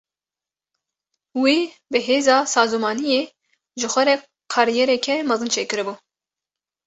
Wî bi hêza sazûmaniyê ji xwe re kariyereke mezin çêkiribû.